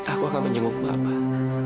aku akan menjenguk bapak